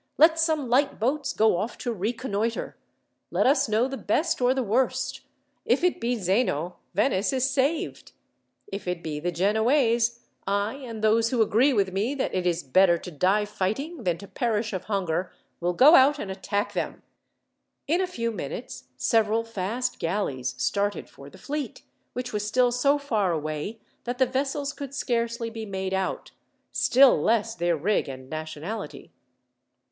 "Let some light boats go off to reconnoitre. Let us know the best or the worst. If it be Zeno, Venice is saved! If it be the Genoese, I, and those who agree with me that it is better to die fighting, than to perish of hunger, will go out and attack them." In a few minutes, several fast galleys started for the fleet, which was still so far away that the vessels could scarcely be made out, still less their rig and nationality.